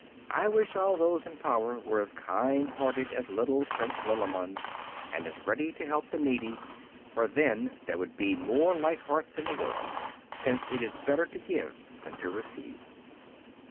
I wish all those in power were as kind hearted as little Prince Lilimond, and as ready to help the needy, for then there would be more light hearts in the world, since it is "better to give than to receive."